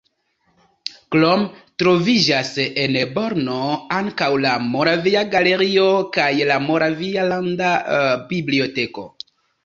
Krome troviĝas en Brno ankaŭ la Moravia galerio kaj la Moravia landa biblioteko.